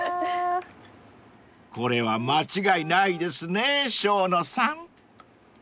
［これは間違いないですね生野さん］